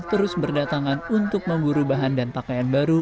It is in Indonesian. terus berdatangan untuk memburu bahan dan pakaian baru